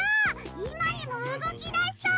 いまにもうごきだしそう！